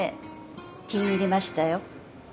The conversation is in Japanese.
気に入りましたよ。